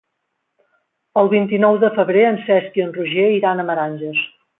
El vint-i-nou de febrer en Cesc i en Roger iran a Meranges.